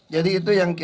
jadi itu yang terakhir